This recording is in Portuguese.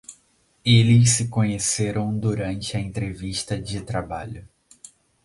Eles se conheceram durante a entrevista de trabalho